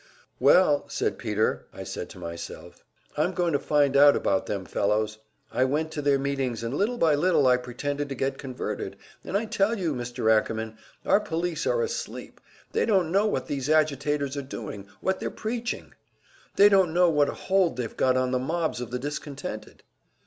"Well," said Peter, "I said to myself, `I'm going to find out about them fellows.' I went to their meetings, and little by little I pretended to get converted, and I tell you, Mr. Ackerman, our police are asleep; they don't know what these agitators are doing, what they're preaching. They don't know what a hold they've got on the mobs of the discontented!"